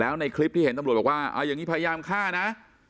แล้วในคลิปที่เห็นตำรวจบอกว่าเอาอย่างนี้พยายามฆ่านะ